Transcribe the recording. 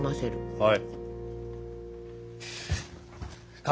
はい。